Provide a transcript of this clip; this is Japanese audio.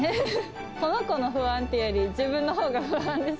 この子の不安っていうより自分のほうが不安です